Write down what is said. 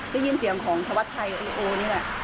ก็ยินเสียงของธวัดชัยไอ้โอเนี่ย